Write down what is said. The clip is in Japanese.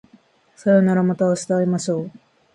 さようならまた明日会いましょう